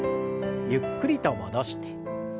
ゆっくりと戻して。